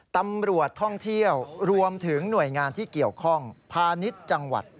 ตำรวจท่องเที่ยวรวมถึงหน่วยงานที่เกี่ยวข้องพาณิชย์จังหวัด